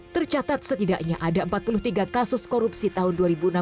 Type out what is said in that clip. tercatat setidaknya ada empat puluh tiga kasus korupsi tahun dua ribu enam belas